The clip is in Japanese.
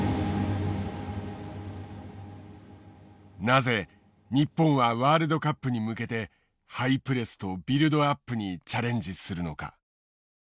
なぜ日本はワールドカップに向けてハイプレスとビルドアップにチャレンジするのか。